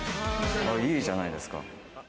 いいじゃないですか。